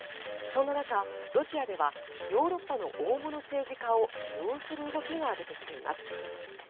そんな中、ロシアではヨーロッパの大物政治家を利用する動きが出てきています。